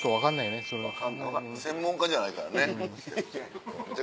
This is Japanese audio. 専門家じゃないからね。